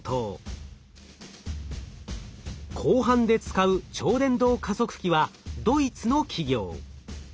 後半で使う超伝導加速器はドイツの企業。